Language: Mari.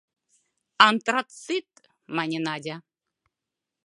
— Антрацит, — мане Надя.